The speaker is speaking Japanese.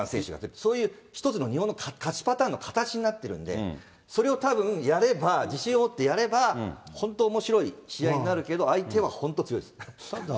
そういう１つのものの勝ちパターンの形になってるんで、それをたぶん、やれば、自信をもってやれば、本当おもしろい試合になるけど、相手は本当、強いです。